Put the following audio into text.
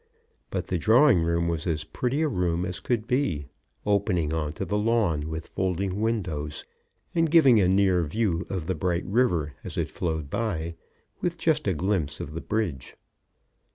But the drawing room was as pretty as room could be, opening on to the lawn with folding windows, and giving a near view of the bright river as it flowed by, with just a glimpse of the bridge.